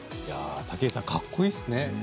武井さんかっこいいですね。